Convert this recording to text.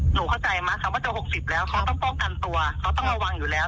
หนูเข้าใจไหมคำว่าจะ๖๐แล้วเขาต้องป้องกันตัวเขาต้องระวังอยู่แล้ว